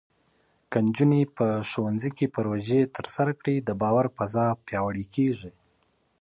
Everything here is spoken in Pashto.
که نجونې په ښوونځي کې پروژې ترسره کړي، د باور فضا پیاوړې کېږي.